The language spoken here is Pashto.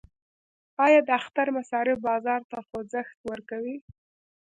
آیا د اختر مصارف بازار ته خوځښت ورکوي؟